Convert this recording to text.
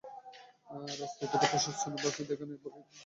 রাস্তা অতটা প্রশস্ত নয়, বাসের দেখা নেই বললেই চলে, শুধুই অটোর রাজত্ব।